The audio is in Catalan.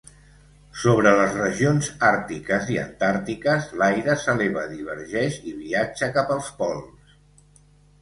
Sobre les regions àrtiques i antàrtiques, l'aire s'eleva, divergeix i viatja cap als pols.